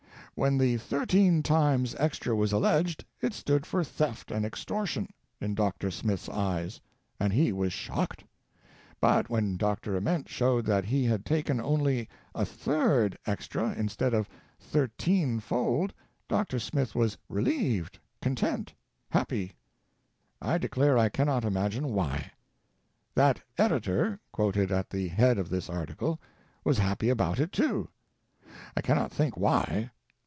When the "thirteen times extra" was alleged, it stood for theft and extortion, in Dr. Smith's eyes, and he was shocked. But when Dr. Ament showed that he had taken only a third extra, instead of thirteen fold, Dr. Smith was relieved, content, happy. I declare I cannot imagine why. That editor — quoted at the head of this article — was happy about it, too. I cannot think why.